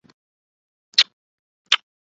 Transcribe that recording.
اکشے کمار کی آمد